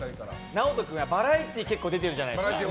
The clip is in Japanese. ＮＡＯＴＯ君はバラエティー結構、出てるじゃないですか。